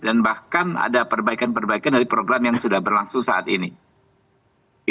dan bahkan ada perbaikan perbaikan dari program yang sudah berlangsung